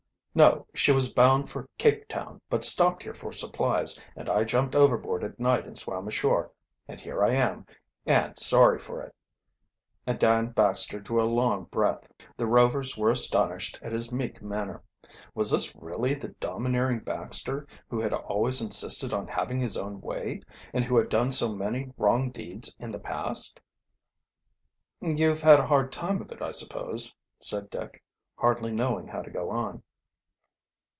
"No; she was bound for Cape Town, but stopped here for supplies, and I jumped overboard at night and swam ashore, and here I am, and sorry for it," and Dan Baxter drew a long breath. The Rovers were astonished at his meek manner. Was this really the domineering Baxter, who had always insisted on having his own way, and who had done so many wrong deeds in the past? "You've had a hard time of it, I suppose? said Dick, hardly knowing how to go on.